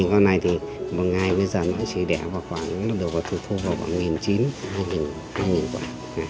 ba con này thì một ngày bây giờ nó chỉ đẻ vào khoảng đều có thu thô vào khoảng một chín trăm linh hai hai quả